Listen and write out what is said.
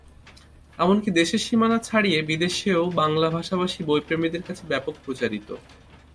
এমনকি দেশের সীমানা ছাড়িয়ে বিদেশেও বাংলা ভাষাভাষী বইপ্রেমীদের কাছে ব্যাপক প্রচারিত।